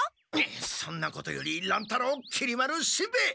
そんなことより乱太郎きり丸しんべヱ。